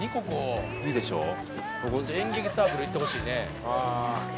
いいでしょ？